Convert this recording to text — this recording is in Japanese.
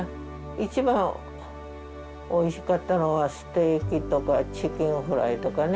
一番おいしかったのはステーキとかチキンフライとかね。